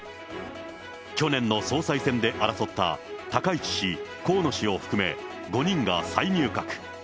去年の総裁選で争った高市氏、河野氏を含め、５人が再入閣。